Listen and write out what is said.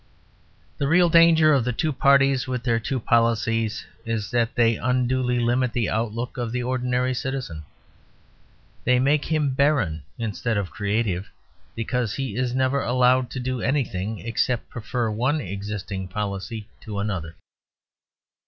The real danger of the two parties with their two policies is that they unduly limit the outlook of the ordinary citizen. They make him barren instead of creative, because he is never allowed to do anything except prefer one existing policy to another.